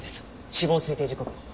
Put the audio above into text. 死亡推定時刻の。